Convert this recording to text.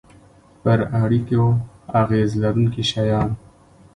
پر اړیکو اغیز لرونکي شیان